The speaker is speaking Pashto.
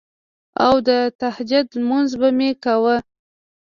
او د تهجد مونځ به مې کوو